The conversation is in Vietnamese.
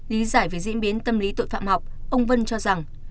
lý giải về diễn biến tâm lý tội phạm học ông vân cho rằng